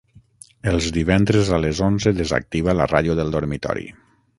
Els divendres a les onze desactiva la ràdio del dormitori.